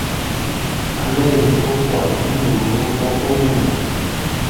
Alenge koukwaya buyulu ko komena.